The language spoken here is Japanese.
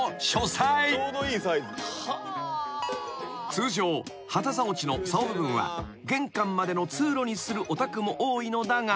［通常旗竿地のさお部分は玄関までの通路にするお宅も多いのだが］